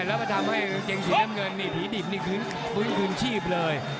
แล้วก็ทำให้กางเกงสีน้ำเงินนี่ผีดิบนี่คือฟื้นคืนชีพเลย